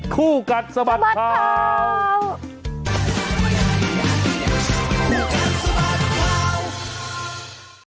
คู่กันสบัติครัว